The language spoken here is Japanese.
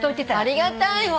ありがたいわ。